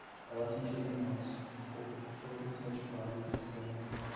Ela sentiu remorso, ficou com choro desmotivado e transtorno alimentar